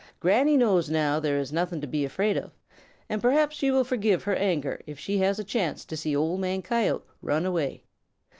Granny knows now that there is nothing to be afraid of, and perhaps she will forget her anger if she has a chance to see Old Man Coyote run away.